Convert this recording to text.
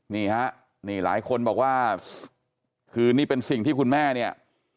นี่ฮะนี่หลายคนบอกว่าคือนี่เป็นสิ่งที่คุณแม่เนี่ย